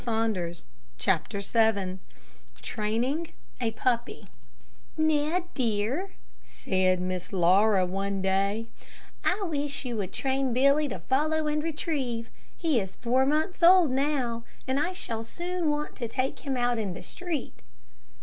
CHAPTER VII TRAINING A PUPPY "Ned, dear," said Miss Laura one day, "I wish you would train Billy to follow and retrieve. He is four months old now, and I shall soon want to take him out in the street."